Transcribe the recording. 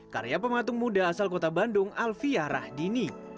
karya pematung muda asal kota bandung alvia rahdini